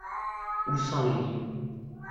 Où sont les livres ?